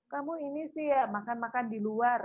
kamu ini sih ya makan makan di luar